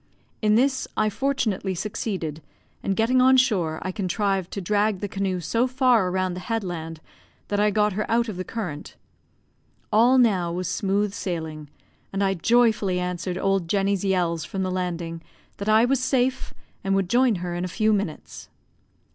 In this I fortunately succeeded, and getting on shore, I contrived to drag the canoe so far round the headland that I got her out of the current. All now was smooth sailing, and I joyfully answered old Jenny's yells from the landing, that I was safe, and would join her in a few minutes.